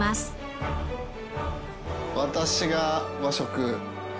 私が和食。